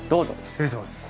失礼します。